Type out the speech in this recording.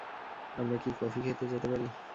আমরা কী কফি খেতে যেতে পারি?